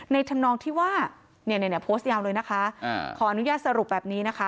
ธรรมนองที่ว่าเนี่ยโพสต์ยาวเลยนะคะขออนุญาตสรุปแบบนี้นะคะ